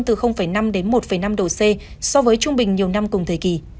từ năm đến một năm độ c so với trung bình nhiều năm cùng thời kỳ